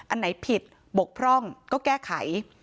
อันไหนผิดบกพร่องก็แก้ไข